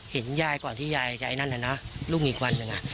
เห็นย่ายก่อนที่ย่ายย่ายนั่นน่ะนะลุงอีกวันหนึ่งอ่ะ